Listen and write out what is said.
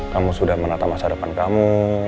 kamu sudah menata masa depan kamu